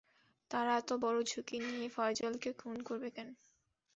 তারা এত বড় ঝুঁকি নিয়ে ফয়জলকে খুন করবে কেন?